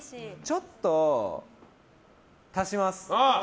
ちょっと足します。